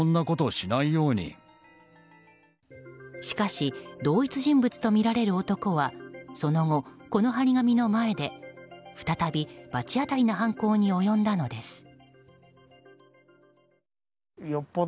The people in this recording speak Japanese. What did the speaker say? しかし同一人物とみられる男はその後、この貼り紙の前で再び罰当たりな犯行に及んだのです。